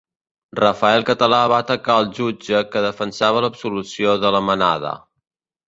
Rafael Català va atacar al jutge que defensava l'absolució de la Manada